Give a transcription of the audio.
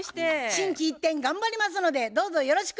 心機一転頑張りますのでどうぞよろしく。